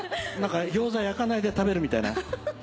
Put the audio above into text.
ギョーザ焼かないで食べるみたいな。